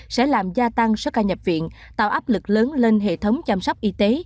sẽ làm gia tăng số ca nhập viện tạo áp lực lớn lên hệ thống chăm sóc y tế